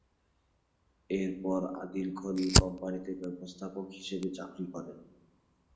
এর পর আদিল-খলিল কোম্পানীতে ব্যবস্থাপক হিসেবে চাকুরি করেন।